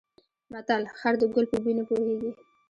متل: خر د ګل په بوی نه پوهېږي.